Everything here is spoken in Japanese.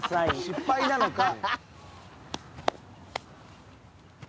失敗なのか？